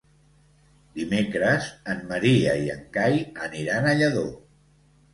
Dimecres en Maria i en Cai aniran a Lladó.